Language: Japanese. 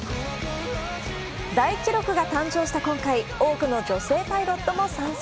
大記録が誕生した今回、多くの女性パイロットも参戦。